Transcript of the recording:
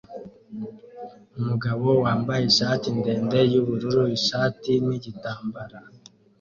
Umugabo wambaye ishati ndende yubururu ishati nigitambara